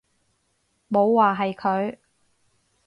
冇話係佢